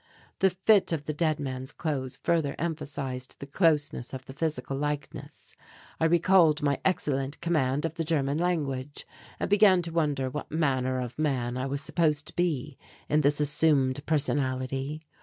The fit of the dead man's clothes further emphasized the closeness of the physical likeness. I recalled my excellent command of the German language and began to wonder what manner of man I was supposed to be in this assumed personality.